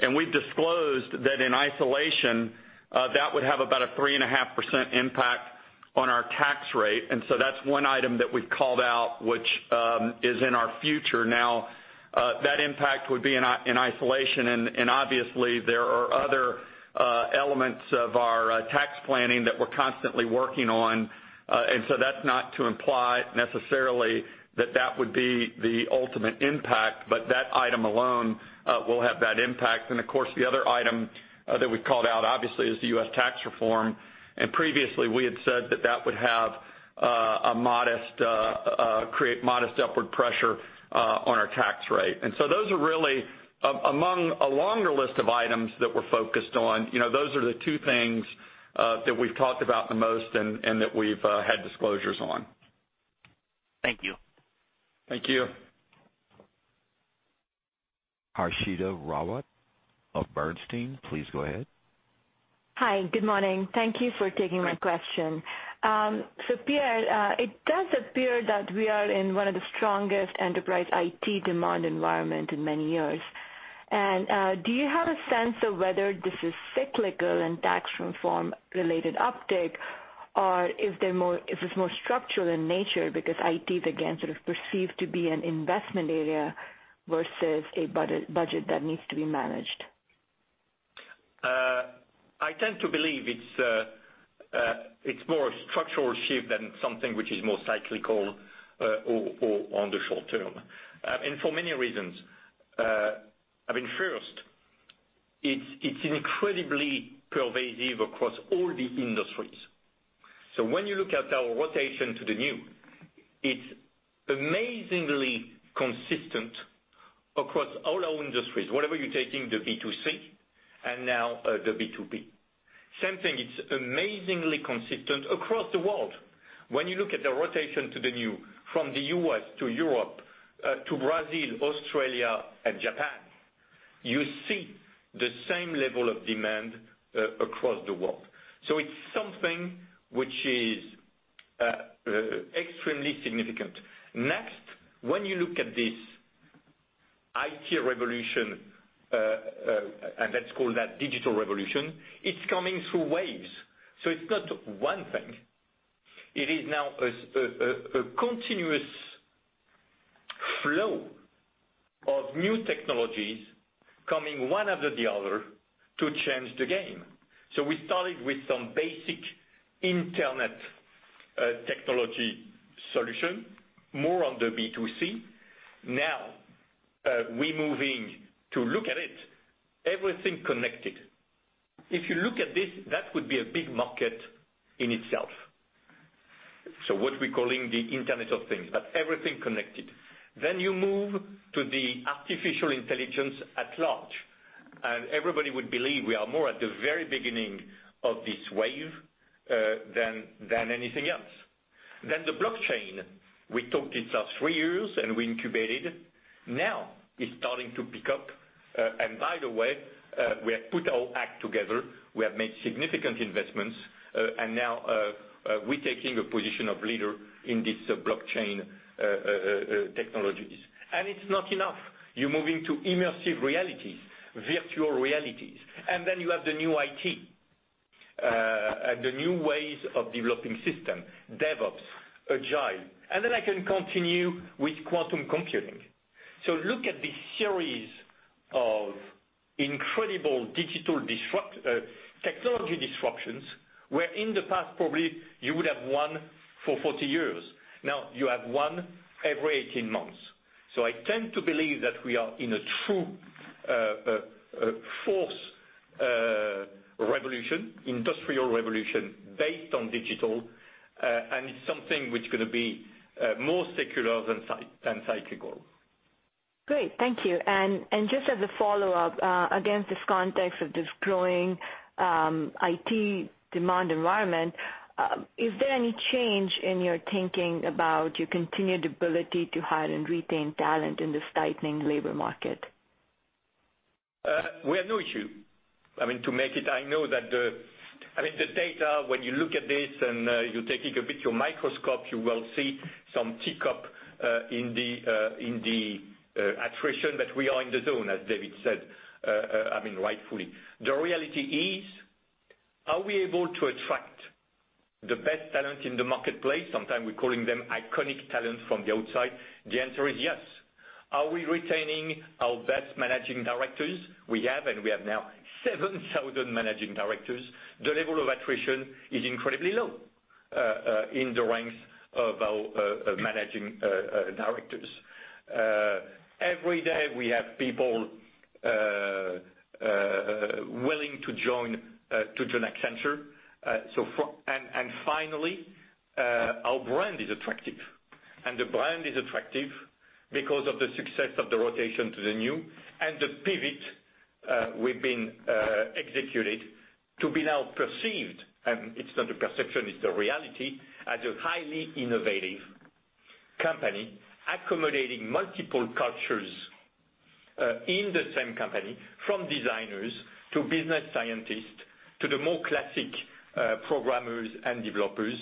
We've disclosed that in isolation, that would have about a 3.5% impact on our tax rate. That's one item that we've called out, which is in our future now. That impact would be in isolation, and obviously, there are other elements of our tax planning that we're constantly working on. That's not to imply necessarily that would be the ultimate impact, but that item alone will have that impact. The other item that we called out, obviously, is the U.S. tax reform. Previously we had said that would create modest upward pressure on our tax rate. Those are really among a longer list of items that we're focused on. Those are the two things that we've talked about the most and that we've had disclosures on. Thank you. Thank you. Anil Singh of Bernstein, please go ahead. Hi. Good morning. Thank you for taking my question. Great. Pierre, it does appear that we are in one of the strongest enterprise IT demand environment in many years. Do you have a sense of whether this is cyclical and tax reform related uptick, or if it's more structural in nature because IT, again, sort of perceived to be an investment area versus a budget that needs to be managed? I tend to believe it's more a structural shift than something which is more cyclical or on the short term, for many reasons. First, it's incredibly pervasive across all the industries. When you look at our rotation to the new, it's amazingly consistent across all our industries. Whatever you're taking the B2C and now the B2B. Same thing, it's amazingly consistent across the world. When you look at the rotation to the new from the U.S. to Europe, to Brazil, Australia and Japan, you see the same level of demand across the world. It's something which is extremely significant. Next, when you look at this IT revolution, let's call that digital revolution, it's coming through waves. It's not one thing. It is now a continuous flow of new technologies coming one after the other to change the game. We started with some basic internet technology solution, more on the B2C. Now, we are moving to look at it, everything connected. If you look at this, that would be a big market in itself. What we're calling the Internet of Things, but everything connected. You move to the artificial intelligence at large, and everybody would believe we are more at the very beginning of this wave, than anything else. The blockchain. We talked it's last three years, and we incubated. Now it's starting to pick up. By the way, we have put our act together. We have made significant investments, and now we're taking a position of leader in this blockchain technologies. It's not enough. You're moving to immersive realities, virtual realities. You have the new IT, and the new ways of developing system, DevOps, Agile. I can continue with quantum computing. Look at the series of incredible technology disruptions, where in the past probably you would have one for 40 years. Now you have one every 18 months. I tend to believe that we are in a true fourth revolution, industrial revolution based on digital. It's something which is going to be more secular than cyclical. Great. Thank you. Just as a follow-up, against this context of this growing IT demand environment, is there any change in your thinking about your continued ability to hire and retain talent in this tightening labor market? We have no issue. To make it, I know that the data, when you look at this and you're taking a bit your microscope, you will see some tick up in the attrition, but we are in the zone, as David said, rightfully. The reality is, are we able to attract the best talent in the marketplace? Sometimes we're calling them iconic talent from the outside. The answer is yes. Are we retaining our best managing directors? We have, we have now 7,000 managing directors. The level of attrition is incredibly low in the ranks of our managing directors. Every day we have people willing to join Accenture. Our brand is attractive, and the brand is attractive because of the success of the rotation to the new and the pivot we've been executing to be now perceived, and it's not a perception, it's the reality, as a highly innovative company accommodating multiple cultures in the same company. From designers to business scientists, to the more classic programmers and developers,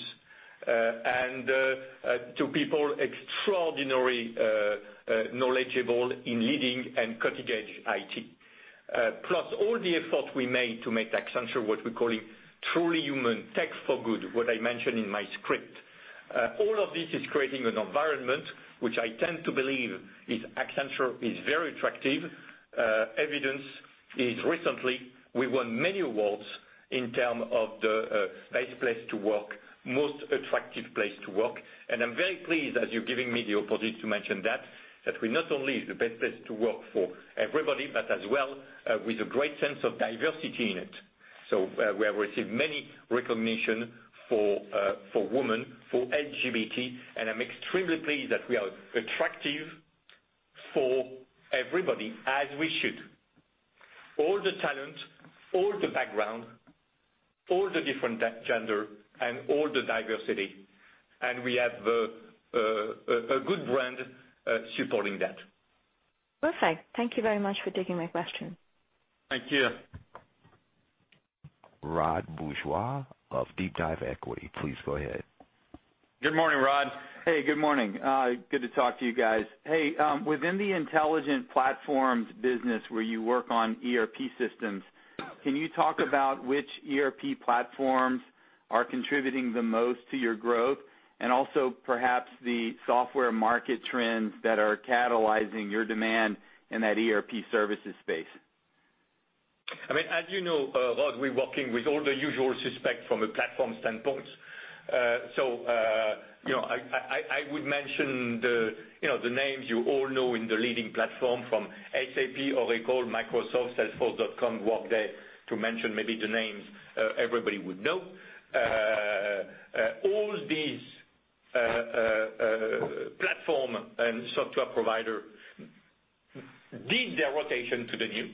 and to people extraordinary knowledgeable in leading and cutting-edge IT. Plus all the effort we made to make Accenture what we're calling truly human Tech for Good, what I mentioned in my script. All of this is creating an environment which I tend to believe is Accenture is very attractive. Evidence is recently, we won many awards in terms of the best place to work, most attractive place to work. I'm very pleased that you're giving me the opportunity to mention that we not only is the best place to work for everybody, but as well, with a great sense of diversity in it. We have received many recognition for women, for LGBT, and I'm extremely pleased that we are attractive for everybody as we should. All the talent, all the background, all the different gender, and all the diversity. We have a good brand supporting that. Perfect. Thank you very much for taking my question. Thank you. Rod Bourgeois of DeepDive Equity Research, please go ahead. Good morning, Rod. Hey, good morning. Good to talk to you guys. Hey, within the intelligent platforms business where you work on ERP systems, can you talk about which ERP platforms are contributing the most to your growth, and also perhaps the software market trends that are catalyzing your demand in that ERP services space? As you know, Rod, we're working with all the usual suspects from a platform standpoint. I would mention the names you all know in the leading platform from SAP, Oracle, Microsoft, Salesforce.com, Workday, to mention maybe the names everybody would know. All these platform and software provider did their rotation to the new.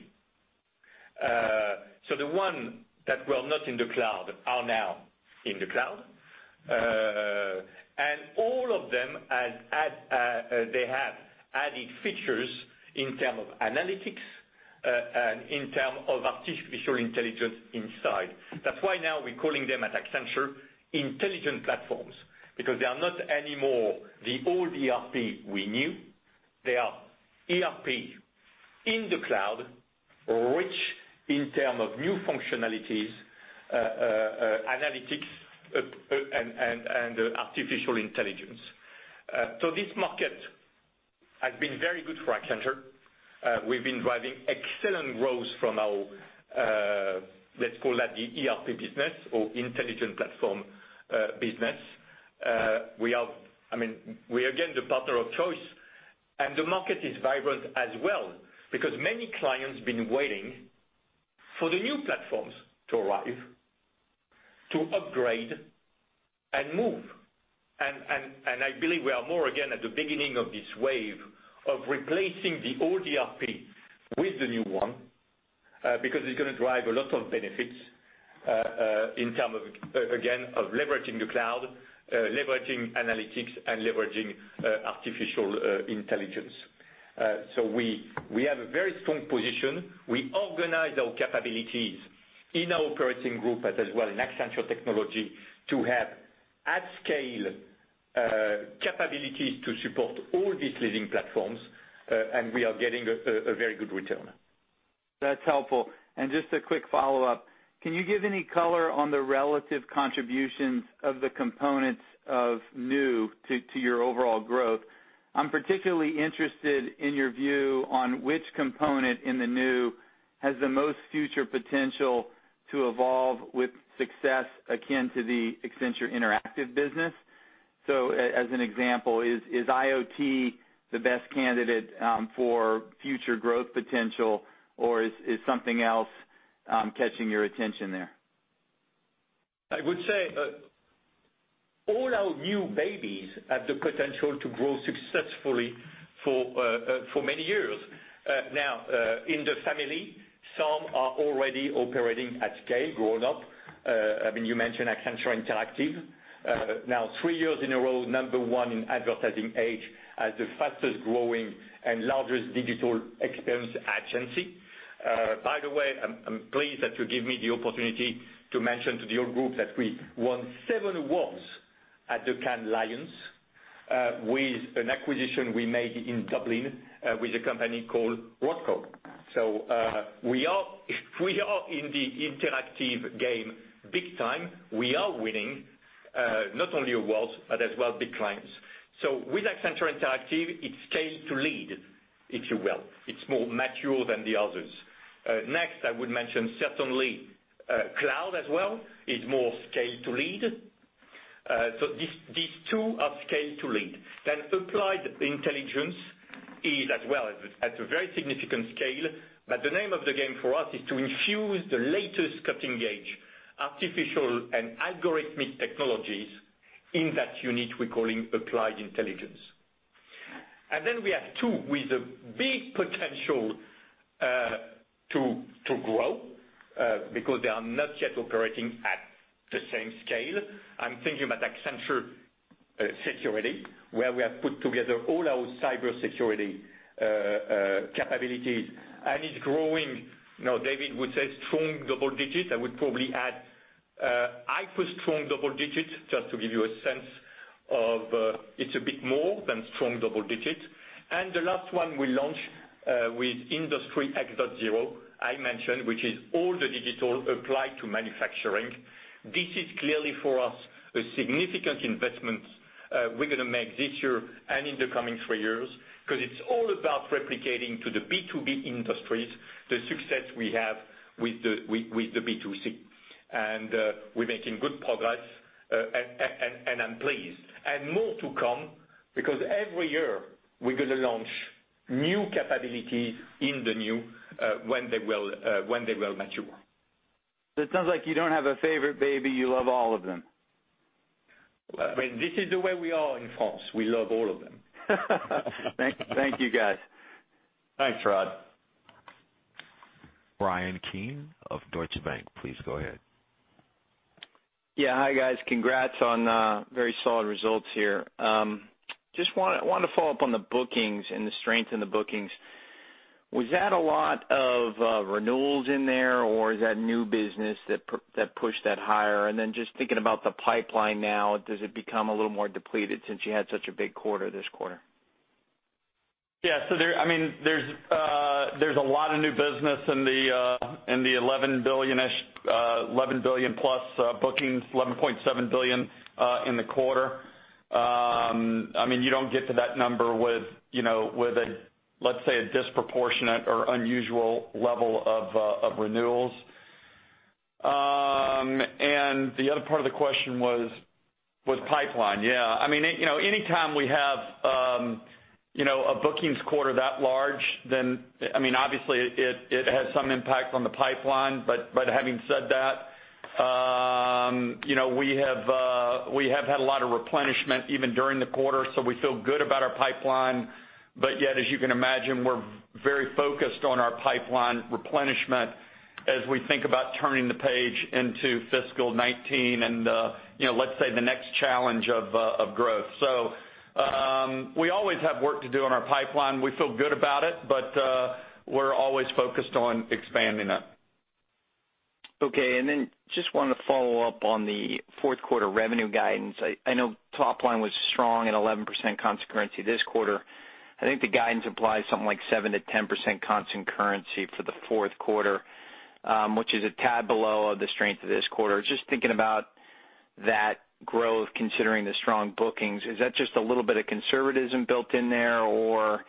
The one that were not in the cloud are now in the cloud. All of them, they have added features in term of analytics, and in term of artificial intelligence inside. That's why now we're calling them at Accenture intelligent platforms, because they are not anymore the old ERP we knew. They are ERP in the cloud, rich in term of new functionalities, analytics, and artificial intelligence. This market has been very good for Accenture. We've been driving excellent growth from our, let's call that the ERP business or intelligent platform business. We're again the partner of choice, the market is vibrant as well because many clients been waiting for the new platforms to arrive, to upgrade and move. I believe we are more again at the beginning of this wave of replacing the old ERP with the new one, because it's going to drive a lot of benefits, in term of, again, of leveraging the cloud, leveraging analytics, and leveraging artificial intelligence. We have a very strong position. We organize our capabilities in our operating group as well in Accenture Technology to have at scale capabilities to support all these leading platforms, and we are getting a very good return. That's helpful. Just a quick follow-up. Can you give any color on the relative contributions of the components of new to your overall growth? I'm particularly interested in your view on which component in the new has the most future potential to evolve with success akin to the Accenture Interactive business. As an example, is IoT the best candidate for future growth potential, or is something else catching your attention there? I would say all our new babies have the potential to grow successfully for many years. Now, in the family, some are already operating at scale, grown up. You mentioned Accenture Interactive. Now three years in a row, number one in Ad Age as the fastest growing and largest digital experience agency. By the way, I'm pleased that you give me the opportunity to mention to the whole group that we won seven awards at the Cannes Lions, with an acquisition we made in Dublin with a company called Rothco. We are in the interactive game big time. We are winning, not only awards, but as well, big clients. With Accenture Interactive, it's scale to lead, if you will. It's more mature than the others. I would mention certainly cloud as well is more scale to lead. These two are scale to lead. Applied Intelligence is as well at a very significant scale, but the name of the game for us is to infuse the latest cutting-edge artificial and algorithmic technologies in that unit we're calling Applied Intelligence. We have two with a big potential to grow, because they are not yet operating at the same scale. I'm thinking about Accenture Security, where we have put together all our cybersecurity capabilities, and it's growing. David would say strong double digits. I would probably add hyper-strong double digits, just to give you a sense of It's a bit more than strong double digits. The last one we launched with Industry X.0, I mentioned, which is all the digital applied to manufacturing. This is clearly for us, a significant investment we're going to make this year and in the coming three years, because it's all about replicating to the B2B industries, the success we have with the B2C. We're making good progress, and I'm pleased. More to come, because every year we're going to launch new capabilities in the new, when they will mature. It sounds like you don't have a favorite baby. You love all of them. Well, this is the way we are in France. We love all of them. Thank you, guys. Thanks, Rod. Bryan Keane of Deutsche Bank, please go ahead. Yeah. Hi, guys. Congrats on very solid results here. Just wanted to follow up on the bookings and the strength in the bookings. Was that a lot of renewals in there, or is that new business that pushed that higher? Just thinking about the pipeline now, does it become a little more depleted since you had such a big quarter this quarter? Yeah. There's a lot of new business in the $11 billion+ bookings, $11.7 billion in the quarter. You don't get to that number with, let's say, a disproportionate or unusual level of renewals. The other part of the question was pipeline. Yeah. Anytime we have a bookings quarter that large, obviously it has some impact on the pipeline. Having said that, we have had a lot of replenishment even during the quarter, we feel good about our pipeline. Yet, as you can imagine, we're very focused on our pipeline replenishment as we think about turning the page into fiscal 2019 and, let's say, the next challenge of growth. We always have work to do on our pipeline. We feel good about it, but we're always focused on expanding it. Okay. Just wanted to follow up on the fourth quarter revenue guidance. I know top line was strong at 11% constant currency this quarter. I think the guidance implies something like 7%-10% constant currency for the fourth quarter, which is a tad below the strength of this quarter. Just thinking about that growth, considering the strong bookings, is that just a little bit of conservatism built in there? Or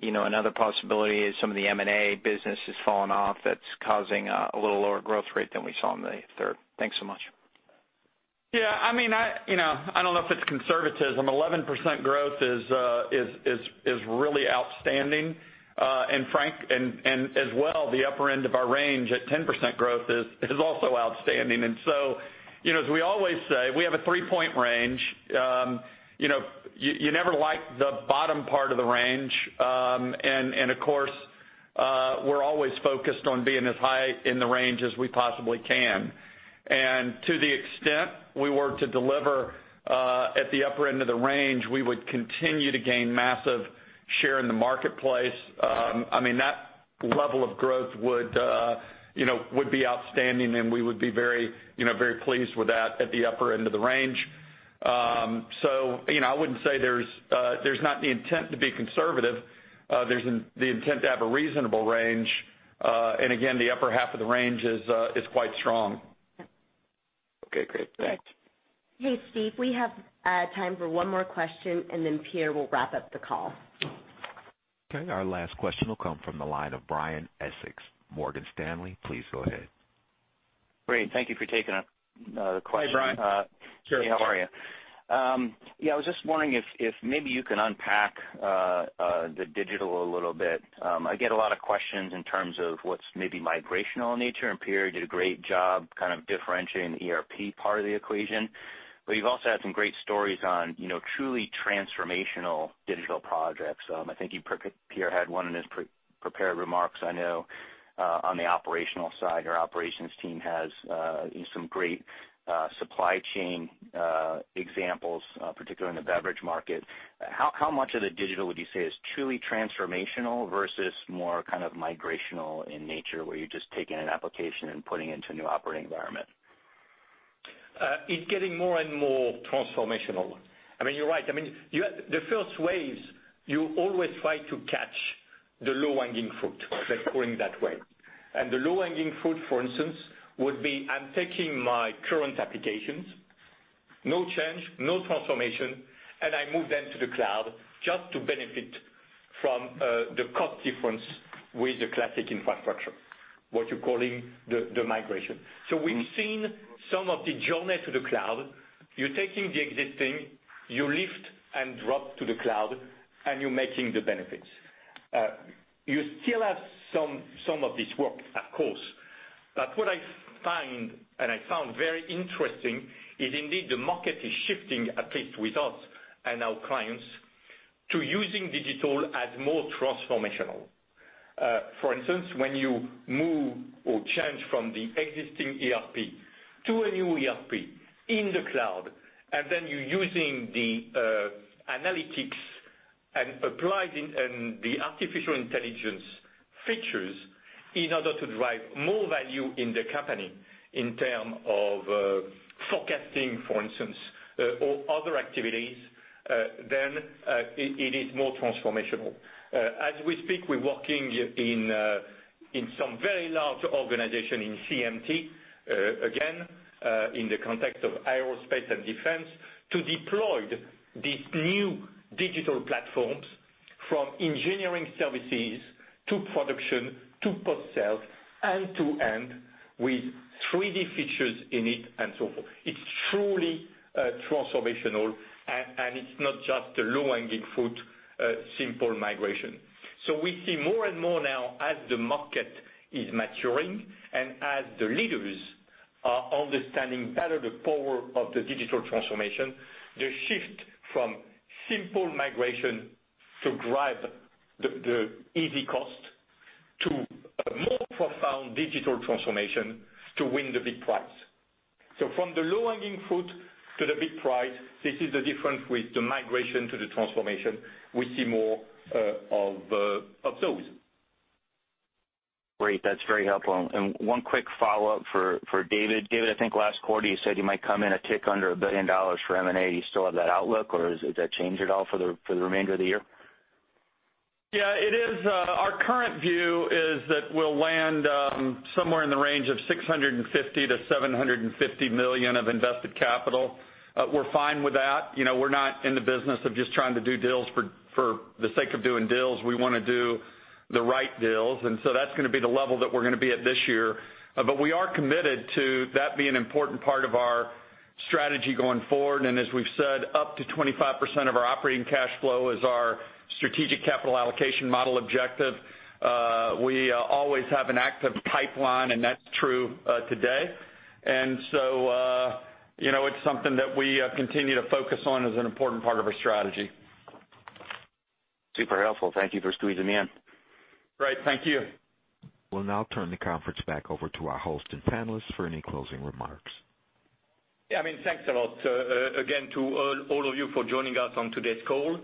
another possibility is some of the M&A business has fallen off that's causing a little lower growth rate than we saw in the third. Thanks so much. Yeah. I don't know if it's conservatism. 11% growth is really outstanding. Frank, and as well, the upper end of our range at 10% growth is also outstanding. As we always say, we have a three-point range. You never like the bottom part of the range. Of course, we're always focused on being as high in the range as we possibly can. To the extent we were to deliver at the upper end of the range, we would continue to gain massive share in the marketplace. That level of growth would be outstanding, and we would be very pleased with that at the upper end of the range. I wouldn't say there's not the intent to be conservative. There's the intent to have a reasonable range. Again, the upper half of the range is quite strong. Okay, great. Thanks. Hey, Steve, we have time for one more question, Pierre will wrap up the call. Okay, our last question will come from the line of Brian Essex, Morgan Stanley. Please go ahead. Great. Thank you for taking the question. Hi, Brian. Sure. Hey, how are you? I was just wondering if maybe you can unpack the digital a little bit. I get a lot of questions in terms of what's maybe migrational in nature, Pierre did a great job differentiating the ERP part of the equation. You've also had some great stories on truly transformational digital projects. I think Pierre had one in his prepared remarks. I know on the operational side, your operations team has some great supply chain examples, particularly in the beverage market. How much of the digital would you say is truly transformational versus more migrational in nature, where you're just taking an application and putting it into a new operating environment? It's getting more and more transformational. You're right. The first waves, you always try to catch the low-hanging fruit, let's put it that way. The low-hanging fruit, for instance, would be, I'm taking my current applications, no change, no transformation, and I move them to the cloud just to benefit from the cost difference with the classic infrastructure, what you're calling the migration. We've seen some of the journey to the cloud. You're taking the existing, you lift and drop to the cloud, and you're making the benefits. You still have some of this work, of course. What I find, and I found very interesting, is indeed the market is shifting, at least with us and our clients, to using digital as more transformational. For instance, when you move or change from the existing ERP to a new ERP in the cloud, you're using the analytics and applied Artificial Intelligence features in order to drive more value in the company in term of forecasting, for instance, or other activities. It is more transformational. As we speak, we're working in some very large organization in CMT, again, in the context of aerospace and defense, to deploy these new digital platforms from engineering services to production to post-sales end to end with 3D features in it and so forth. It's truly transformational, it's not just a low-hanging fruit, simple migration. We see more and more now as the market is maturing and as the leaders are understanding better the power of the digital transformation, the shift from simple migration to drive the easy cost to a more profound digital transformation to win the big prize. From the low-hanging fruit to the big prize, this is the difference with the migration to the transformation. We see more of those. Great. That's very helpful. One quick follow-up for David. David, I think last quarter you said you might come in a tick under $1 billion for M&A. You still have that outlook or has that changed at all for the remainder of the year? Yeah. Our current view is that we'll land somewhere in the range of $650 million-$750 million of invested capital. We're fine with that. We're not in the business of just trying to do deals for the sake of doing deals. We want to do the right deals. That's going to be the level that we're going to be at this year. We are committed to that being an important part of our strategy going forward. As we've said, up to 25% of our operating cash flow is our strategic capital allocation model objective. We always have an active pipeline, and that's true today. It's something that we continue to focus on as an important part of our strategy. Super helpful. Thank you for squeezing me in. Great. Thank you. We'll now turn the conference back over to our host and panelists for any closing remarks. Thanks a lot again to all of you for joining us on today's call.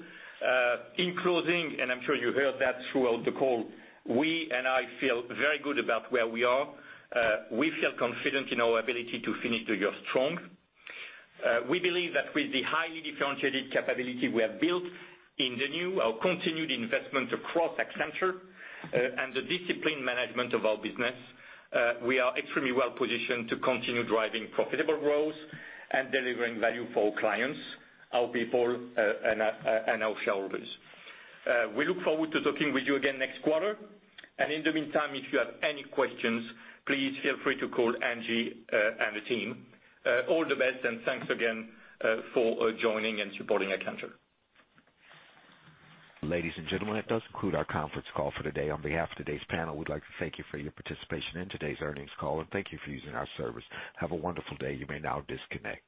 In closing, I'm sure you heard that throughout the call, we and I feel very good about where we are. We feel confident in our ability to finish the year strong. We believe that with the highly differentiated capability we have built in the new, our continued investment across Accenture and the disciplined management of our business, we are extremely well positioned to continue driving profitable growth and delivering value for our clients, our people, and our shareholders. We look forward to talking with you again next quarter. In the meantime, if you have any questions, please feel free to call Angie and the team. All the best, thanks again for joining and supporting Accenture. Ladies and gentlemen, that does conclude our conference call for today. On behalf of today's panel, we'd like to thank you for your participation in today's earnings call and thank you for using our service. Have a wonderful day. You may now disconnect.